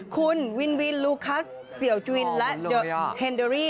คุณวินวินลูคัสเสี่ยวจุวินและเฮนเดอรี่